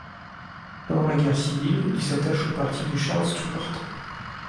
Pendant la guerre civile, il s'attache au parti de Charles Stuart.